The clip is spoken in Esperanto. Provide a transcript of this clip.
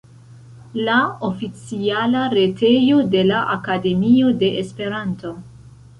La oficiala retejo de la Akademio de Esperanto.